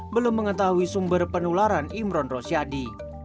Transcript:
belum mengetahui sumber penularan imron rosyadi